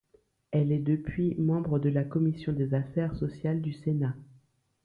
Elle est depuis membre de la commission des affaires sociales du Sénat.